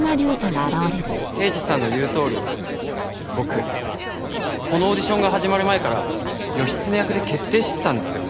刑事さんの言うとおり僕このオーディションが始まる前から義経役で決定してたんですよ。